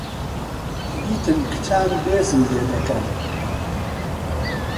دیتم کچان بێزم لێ دەکەن.